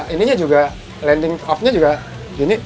ininya juga landing off nya juga ini